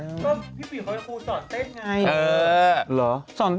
ก็พี่ปิ๋มเขาจะครูสอนเต้นไง